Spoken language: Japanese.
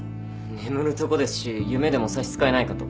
眠るとこですし「夢」でも差し支えないかと。